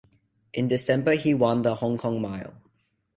In December he won the Hong Kong Mile.